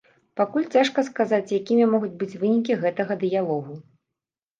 Пакуль цяжка сказаць якімі могуць быць вынікі гэтага дыялогу.